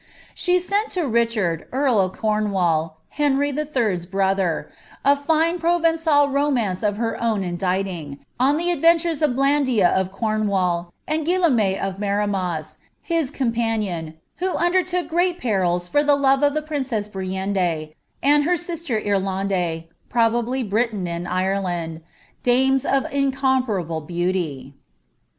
She sent to Richard, earl of Cornwall, Henry the Third's brother, a fine Provencal romance of her own inditing,' on the adventures of Blan din of Cornwall, and Guillaume of Miremas, his companion, who under took great perils for the love of the princess Briende and her sister Irionde (probably Britain and Ireland), dames of incomparable beauty.